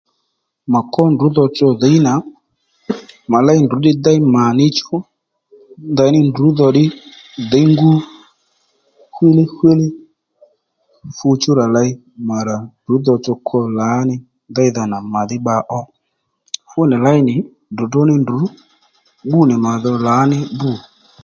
Ma kwó ndrǔ tsotso dhǐy nà mà léy ndrǔ ddí déy mà níchú ndaní ndrǔ dho ddí dhǐy ngú hwílí hwíli fúnì chú rà ley mà rà ndrǔ tsotso kwo lǎní déydha nà màdhí bbakàó fúnì léy nì dròdró ní ndrǔ bbú nì mà dho lǎní bû